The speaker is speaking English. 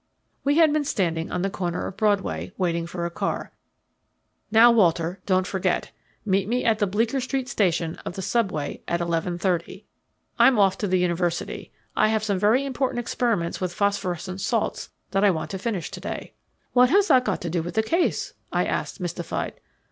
We had been standing on the corner of Broadway, waiting for a car. "Now, Walter, don't forget. Meet me at the Bleecker Street station of the subway at eleven thirty. I'm off to the university. I have some very important experiments with phosphorescent salts that I want to finish to day." "What has that to do with the case?" I asked mystified.